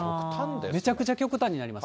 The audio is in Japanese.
めちゃくちゃ極端になります。